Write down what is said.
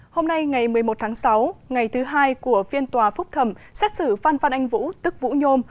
hôm nay ngày một mươi một tháng sáu ngày thứ hai của phiên tòa phúc thẩm xét xử phan phan anh vũ tức vũ nhôm